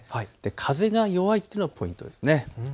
風が弱いというのはポイントです。